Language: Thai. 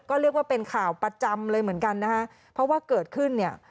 ก็เรียกว่าเป็นข่าวประจำเลยเหมือนกันนะฮะเพราะว่าเกิดขึ้นเนี่ย